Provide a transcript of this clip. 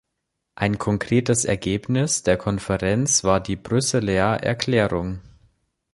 Ein konkretes Ergebnis der Konferenz war die Brüsseler Erklärung.